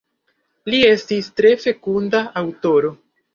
Li estis tre fekunda aŭtoro.